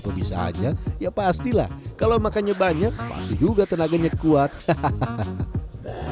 kok bisa aja ya pastilah kalau makannya banyak pasti juga tenaganya kuat hahaha